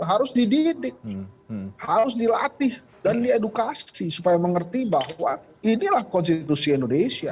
harus dididik harus dilatih dan diedukasi supaya mengerti bahwa inilah konstitusi indonesia